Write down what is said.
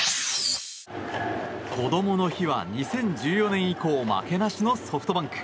こどもの日は２０１４年以降負けなしのソフトバンク。